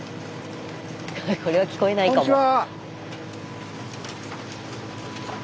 これは聞こえないかも。